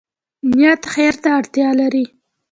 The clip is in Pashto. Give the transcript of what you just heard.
نیت خیر ته اړتیا لري